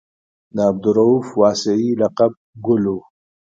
د عبدالرؤف واسعي لقب ګل و.